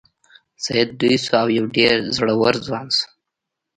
سید لوی شو او یو ډیر زړور ځوان شو.